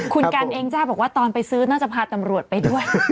คุณกันเองจ้าบอกว่าตอนไปซื้อน่าจะพาตำรวจไปด้วย